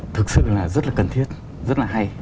thực sự là rất là cần thiết rất là hay